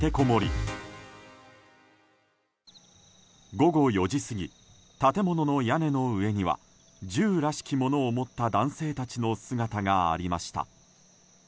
午後４時過ぎ建物の屋根の上には銃らしきものを持った男性たちの姿がありました。